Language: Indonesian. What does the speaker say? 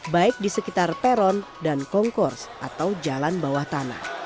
baik di sekitar peron dan kongkors atau jalan bawah tanah